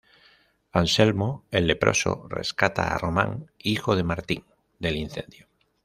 Anselmo el leproso rescata a Román, hijo de Martín, del incendio.